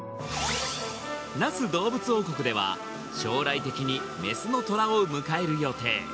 那須どうぶつ王国では将来的にメスのトラを迎える予定